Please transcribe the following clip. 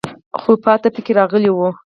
خو پاتې پکې راغلی وو.